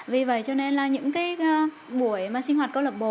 vì vậy cho nên là những buổi sinh hoạt câu lạc bộ